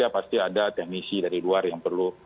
pasti ada teknisi dari luar yang perlu